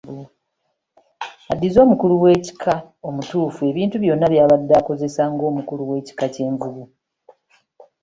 Addize omukulu w'ekika omutuufu, ebintu byonna by'abadde akozesa nga omukulu w'ekika ky'envubu.